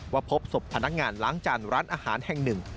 พบศพพนักงานล้างจานร้านอาหารแห่งหนึ่ง